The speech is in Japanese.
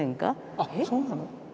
あっそうなの？